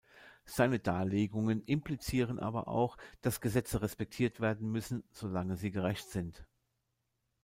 Seine Darlegungen implizieren aber auch, dass Gesetze respektiert werden müssen, solange sie gerecht sind.